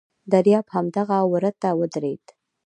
دریاب همدغه وره ته ودرېد.